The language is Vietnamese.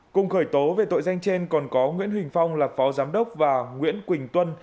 cùng khởi tố về tội danh trên còn có nguyễn huỳnh phong là phó giám đốc và nguyễn quỳnh tuân